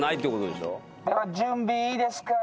では準備いいですか？